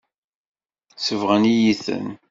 Sebɣen-iyi-ten.